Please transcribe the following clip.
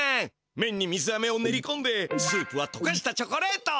めんに水あめをねりこんでスープはとかしたチョコレート！